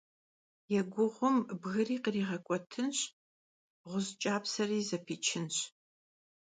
Yêguğum bgıri khriğek'uetınş, ğuş' ç'apseri zepiçınş.